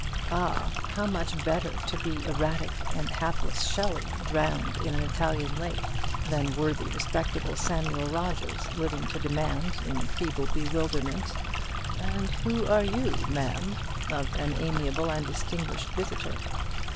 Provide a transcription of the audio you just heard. Ah, how much better to be erratic and hapless Shelley, drowned in an Italian lake, than worthy respectable Samuel Rogers, living to demand, in feeble bewilderment, "And who are you, ma'am?" of an amiable and distinguished visitor!